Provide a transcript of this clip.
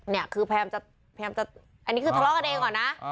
เนี่ยคือพยายามจะพยายามจะอันนี้คือทะเลาะกันเองก่อนนะ